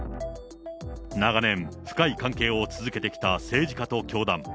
長年、深い関係を続けてきた政治家と教団。